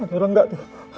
ada orang gak tuh